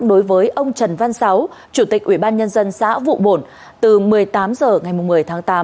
đối với ông trần văn sáu chủ tịch ủy ban nhân dân xã vụ bổn từ một mươi tám h ngày một mươi tháng tám